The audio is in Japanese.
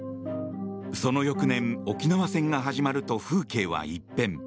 その翌年、沖縄戦が始まると風景は一変。